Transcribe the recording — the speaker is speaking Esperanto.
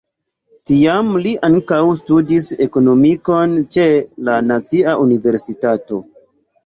Tiam li ankaŭ studis Ekonomikon ĉe la Nacia Universitato.